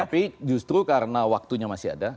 tapi justru karena waktunya masih ada